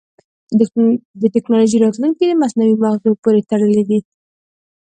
د ټکنالوجۍ راتلونکی د مصنوعي مغزو پورې تړلی دی.